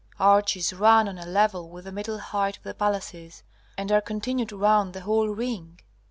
Arches run on a level with the middle height of the palaces, and are continued round the whole ring.